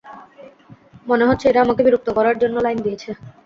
মনে হচ্ছে এরা আমাকে বিরক্ত করার জন্য লাইন দিয়েছে।